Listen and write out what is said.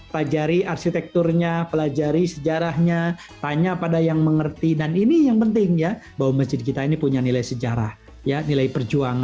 pelajari arsitekturnya pelajari sejarahnya tanya pada yang mengerti dan ini yang penting ya bahwa masjid kita ini punya nilai sejarah nilai perjuangan